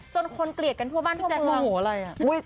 จนคนเกลียดกันทั่วบ้านทั่วพื้นพี่แจ๊คมหัวอะไรอ่ะอุ้ย